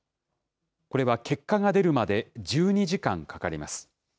これは結果が出るまで１２時間かかります。